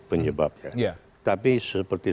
penyebabnya tapi seperti